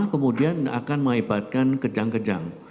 kemudian akan mengibatkan kejang kejang